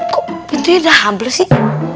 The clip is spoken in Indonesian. kok pintunya udah hamble sih